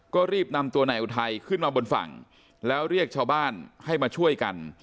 ก็รีบนำตัวนายอุทัยขึ้นมาบนฝั่งแล้วเรียกชาวบ้านให้มาช่วยกัน